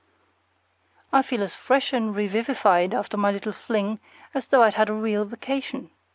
I feel as fresh and revivified after my little fling as though I'd had a real vacation.